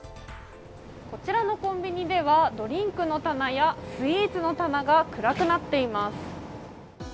こちらのコンビニではドリンクの棚やスイーツの棚が暗くなっています。